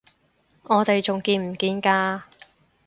我哋仲見唔見㗎？